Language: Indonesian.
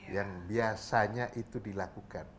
yang biasanya itu dilakukan